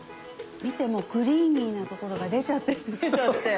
見てもうクリーミーな所が出ちゃって出ちゃって。